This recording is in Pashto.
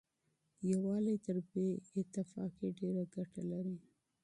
يووالی تر بې اتفاقۍ ډېره ګټه لري.